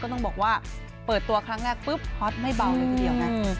ต้องบอกว่าเปิดตัวครั้งแรกปุ๊บฮอตไม่เบาเลยทีเดียวไง